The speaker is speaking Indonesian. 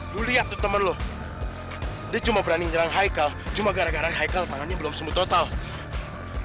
lu lihat tuh temen lu dia cuma berani nyerang haikal cuma gara gara haikal tangannya belum sembuh total